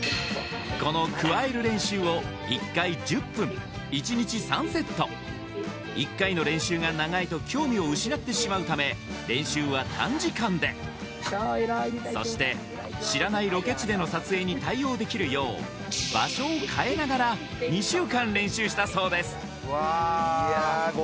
このくわえる練習を１回１０分１日３セット１回の練習が長いと興味を失ってしまうため練習は短時間でそして知らないロケ地での撮影に対応できるよう場所を変えながら２週間練習したそうです